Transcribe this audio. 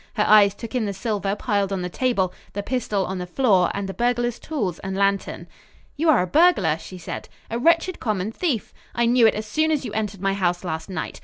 Her eyes took in the silver piled on the table, the pistol on the floor and the burglar's tools and lantern. "You are a burglar," she said, "a wretched, common thief. I knew it as soon as you entered my house last night.